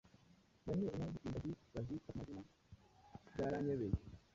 Mpora nibaza impamvu ingagi bazita amazina byaranyobeye